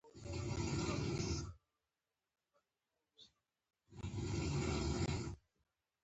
په ترکیه کې اسانتیاوې برابرې کړي.